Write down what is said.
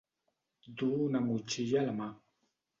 Du una motxilla a la mà.